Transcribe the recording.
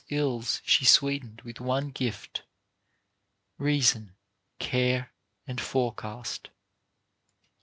ills she sweetened with one gift, — reason, care, and forecast.